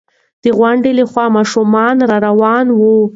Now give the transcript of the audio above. د غونډۍ له خوا ماشومان را روان وو.